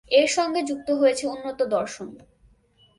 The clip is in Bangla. এর সঙ্গে যুক্ত হয়েছে উন্নত দর্শন।